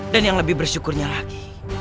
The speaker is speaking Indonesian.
yang lebih bersyukurnya lagi